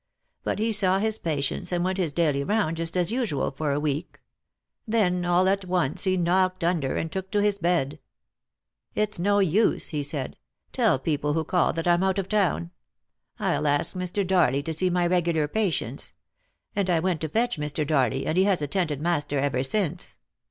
But he saw his patients, and went his daily round just as usual for a week ; then all at once he knocked under, and took to his bed. It's no use," he said ;" tell people who call that I'm out of town. I'll ask Mr. Darley to see my regular patients. And I went to fetch Mr. Darley, and he has attended master ever since."